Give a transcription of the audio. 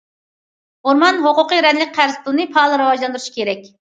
ئورمان ھوقۇقى رەنىلىك قەرز پۇلىنى پائال راۋاجلاندۇرۇش كېرەك.